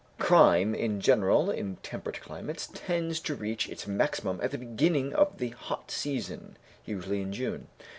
Crime in general in temperate climates tends to reach its maximum at the beginning of the hot season, usually in June.